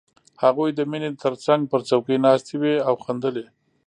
هغوی د مينې تر څنګ پر څوکۍ ناستې وې او خندلې